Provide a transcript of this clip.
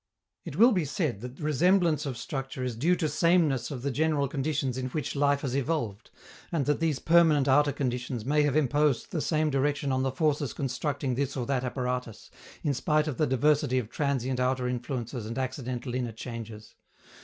_ It will be said that resemblance of structure is due to sameness of the general conditions in which life has evolved, and that these permanent outer conditions may have imposed the same direction on the forces constructing this or that apparatus, in spite of the diversity of transient outer influences and accidental inner changes.